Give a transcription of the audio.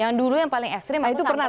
yang dulu yang paling ekstrim aku samperin